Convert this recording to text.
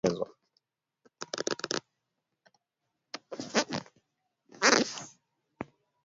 mbolea ya samadi inatakiwa kuwekwa kwa wakati na kiasi kilichoelekezwa